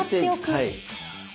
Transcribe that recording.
はい。